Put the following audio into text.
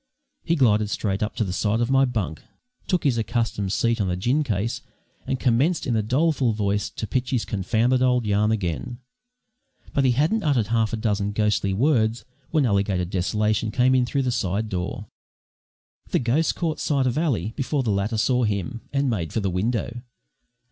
He glided straight up to the side of my bunk, took his accustomed seat on a gin case, and commenced in a doleful voice to pitch his confounded old yarn again; but he hadn't uttered half a dozen ghostly words when Alligator Desolation came in through the side door. The ghost caught sight of Ally before the latter saw him, and made for the window.